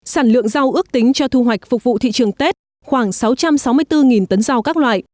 sản lượng rau ước tính cho thu hoạch phục vụ thị trường tết khoảng sáu trăm sáu mươi bốn tấn rau các loại